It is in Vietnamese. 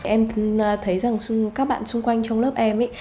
em thấy rằng các bạn xung quanh trong lớp em ấy